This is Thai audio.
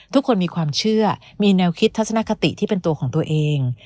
ทุกคนมีความเชื่อมีแนวคิดทัศนคติที่เป็นตัวของตัวเอง